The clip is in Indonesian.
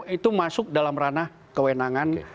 itu masuk dalam ranah kewenangan